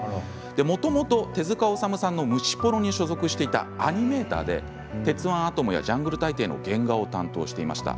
もともと手塚治虫さんの虫プロに所属していたアニメーターで「鉄腕アトム」や「ジャングル大帝」の原画を担当していました。